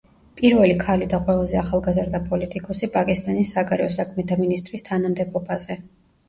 პირველი ქალი და ყველაზე ახალგაზრდა პოლიტიკოსი პაკისტანის საგარეო საქმეთა მინისტრის თანამდებობაზე.